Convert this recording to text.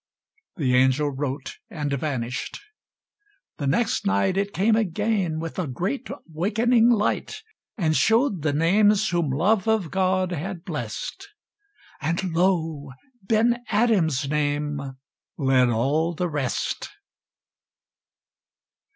The angel wrote, and vanished. The next night It came again with a great wakening light, And showed the names whom love of God had blessed, And, lo! Ben Adhem's name led all the rest.